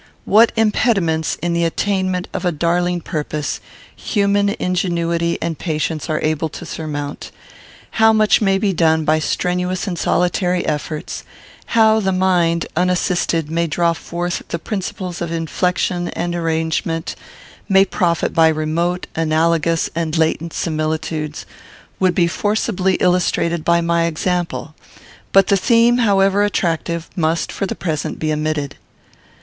What impediments, in the attainment of a darling purpose, human ingenuity and patience are able to surmount; how much may be done by strenuous and solitary efforts; how the mind, unassisted, may draw forth the principles of inflection and arrangement; may profit by remote, analogous, and latent similitudes, would be forcibly illustrated by my example; but the theme, however attractive, must, for the present, be omitted.